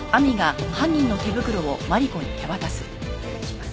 お願いします。